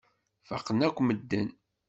Faqen akk medden.